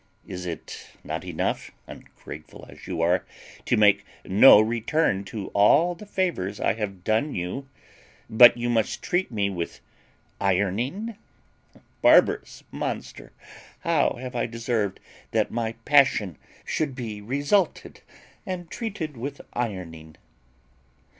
Is it not enough, ungrateful as you are, to make no return to all the favours I have done you; but you must treat me with ironing? Barbarous monster! how have I deserved that my passion should be resulted and treated with ironing?"